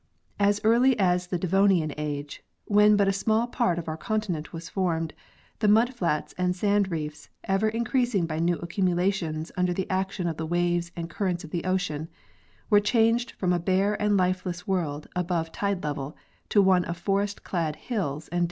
As early as the Devonian age, when but a small part of our continent was formed, the mud flats and sand reefs, ever increas ing by new accumulations under the action of the waves and currents of the ocean, were changed from a bare and lifeless world above tidelevel to one of forest clad hills and dales.